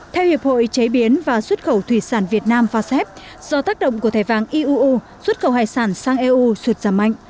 theo hiệp hội chế biến và xuất khẩu thủy sản việt nam phá xép do tác động của thẻ vàng eu xuất khẩu hải sản sang eu xuất ra mạnh